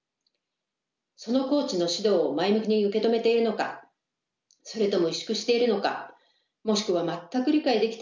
そのコーチの指導を前向きに受け止めているのかそれとも委縮しているのかもしくは全く理解できていないのか。